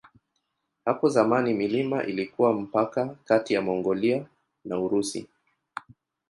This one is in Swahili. Hapo zamani milima ilikuwa mpaka kati ya Mongolia na Urusi.